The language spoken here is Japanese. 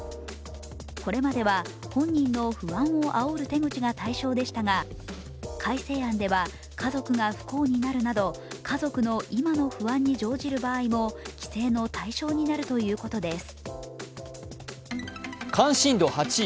これまでは本人の不安をあおる手口が対象でしたが改正案では、家族が不幸になるなど家族の今の不安に乗じる場合も規制の対象になるということです。